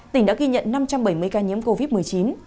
tỉnh đã ghi nhận năm trăm bảy mươi ca nhiễm covid một mươi chín